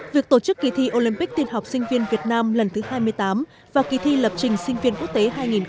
việc tổ chức kỳ thi olympic tiên học sinh viên việt nam lần thứ hai mươi tám và kỳ thi lập trình sinh viên quốc tế hai nghìn một mươi chín